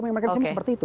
mereka bisa seperti itu